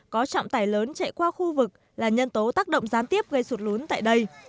có trọng tải lớn chạy qua khu vực là nhân tố tác động gián tiếp gây sụt lún tại đây